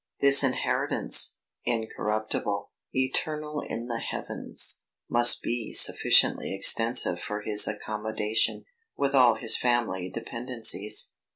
This inheritance, incorruptible, eternal in the heavens, must be sufficiently extensive for his accommodation, with all his family dependencies.